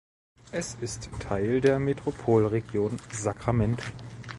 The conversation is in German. Es ist Teil der Metropolregion Sacramento.